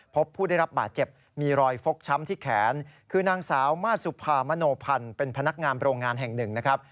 พบผู้ได้รับบาดเจ็บมีรอยฟกช้ำที่แขนคือนางสาวมาสุภามโนพันธ์เป็นพนักงานโรงงานแห่งหนึ่งนะครับ